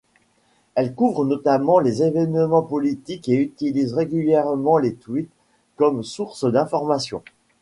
Elle couvre notamment les événements politiques et utilise régulièrement les tweets comme source d'information.